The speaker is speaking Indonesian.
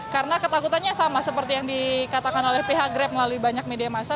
karena ketakutannya sama seperti yang dikatakan oleh pihak grab melalui banyak media masa